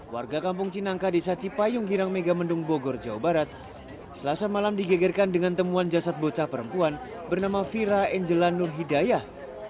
warga kampung cinangka desa cipayung girang megamendung bogor jawa barat selasa malam digegerkan dengan temuan jasad bocah perempuan bernama fira angela nur hidayah